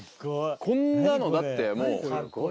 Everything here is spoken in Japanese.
こんなのだってもう。